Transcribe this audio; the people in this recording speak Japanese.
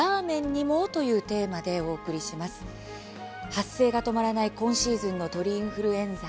発生が止まらない今シーズンの鳥インフルエンザ。